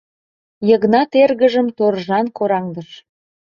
Йыгнат эргыжым торжан кораҥдыш.